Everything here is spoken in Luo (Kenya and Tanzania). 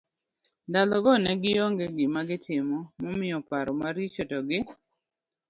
Ndalo go ne gionge gima gitimo momiyo paro maricho to gi